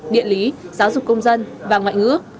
điện lý giáo dục công dân và ngoại ngữ ước